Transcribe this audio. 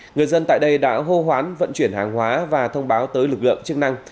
người dân tại đây đã hô hoán vận chuyển hàng hóa và thông báo tới lực lượng chức năng